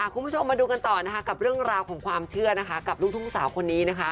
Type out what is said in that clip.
คุณผู้ชมมาดูกันต่อนะคะกับเรื่องราวของความเชื่อนะคะกับลูกทุ่งสาวคนนี้นะคะ